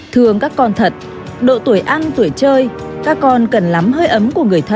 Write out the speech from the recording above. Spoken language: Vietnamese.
thường các con thật độ tuổi ăn tuổi chơi các con cần lắm hơi ấm của người thân